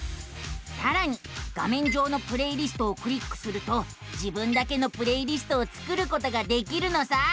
さらに画めん上の「プレイリスト」をクリックすると自分だけのプレイリストを作ることができるのさあ。